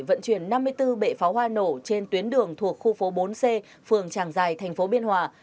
vận chuyển năm mươi bốn bệ pháo hoa nổ trên tuyến đường thuộc khu phố bốn c phường tràng giài thành phố biên hòa